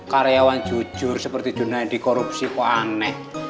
karyawan jujur seperti junaidi korupsi kok aneh